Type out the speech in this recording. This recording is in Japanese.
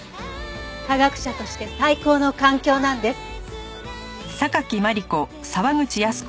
科学者として最高の環境なんです。